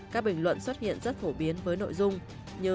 các bình luận xuất hiện rất phổ biến với nội dung như